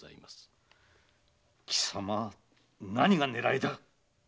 貴様何が狙いだ